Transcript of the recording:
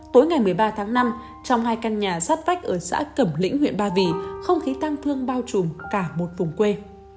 tối ngày một mươi ba tháng năm trong hai căn nhà sát vách ở xã cẩm lĩnh huyện ba vì không khí tăng thương bao trùm cả một vùng quê